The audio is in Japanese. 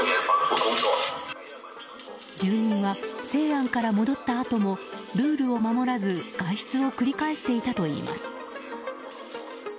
住人は西安から戻ったあともルールを守らず外出を繰り返していたといいます。